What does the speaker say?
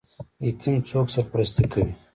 یتیم څوک سرپرستي کوي؟